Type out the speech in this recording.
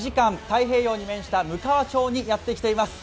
太平洋に面したむかわ町にやってきています。